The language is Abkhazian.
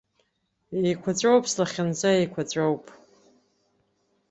Еиқәаҵәоуп слахьынҵа, еиқәаҵәоуп!